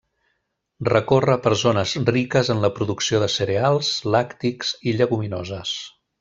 Recorre per zones riques en la producció de cereals, làctics i lleguminoses.